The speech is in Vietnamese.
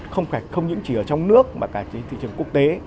không những chỉ ở trong nước mà cả trên thị trường quốc tế